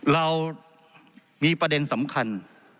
เรามีประเด็นสำคัญ